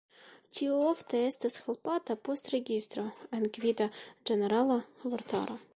Tio ofte estas helpata post registro en gvida ĝenerala vortaro.